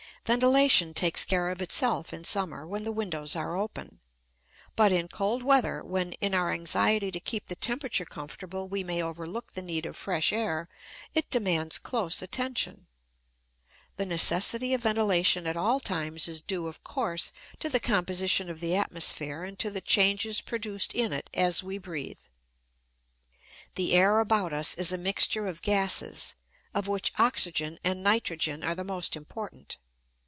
Ventilation takes care of itself in summer, when the windows are open, but in cold weather, when in our anxiety to keep the temperature comfortable we may overlook the need of fresh air, it demands close attention. The necessity of ventilation at all times is due, of course, to the composition of the atmosphere and to the changes produced in it as we breathe. The air about us is a mixture of gases, of which oxygen and nitrogen are the most important.